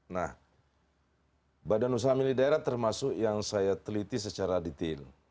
nah badan usaha milik daerah termasuk yang saya teliti secara detail